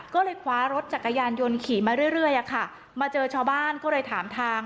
ก็เลยคว้ารถจักรยานยนต์ขี่มาเรื่อยมาเจอชาวบ้านก็เลยถามทาง